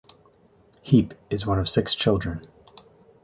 Heap is one of six children.